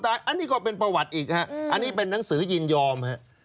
อันนี้ก็เป็นประวัติอีกฮะอันนี้เป็นหนังสือยินยอมฮะ